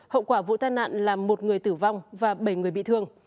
hậu quả vụ tai nạn là một người tử vong và bảy người bị thương